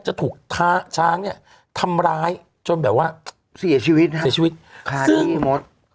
จะถูกท้าช้างเนี่ยทำร้ายจนแบบว่าเสียชีวิตซึ่ง